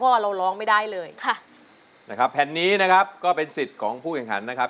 เราร้องไม่ได้เลยค่ะนะครับแผ่นนี้นะครับก็เป็นสิทธิ์ของผู้แข่งขันนะครับ